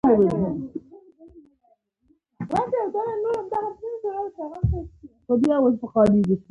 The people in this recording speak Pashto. هغوی یوځای د صادق چمن له لارې سفر پیل کړ.